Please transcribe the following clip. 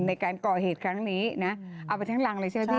ในการก่อเหตุครั้งนี้นะเอาไปทั้งรังเลยใช่ไหมพี่